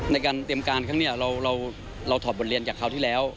ในการเตรียมการครั้งนี้เราถอดบทเรียนจากคราวที่แล้ว